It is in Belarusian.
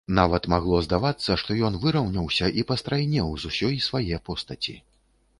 Нават магло здавацца, што ён выраўняўся і пастрайнеў з усёй свае постаці.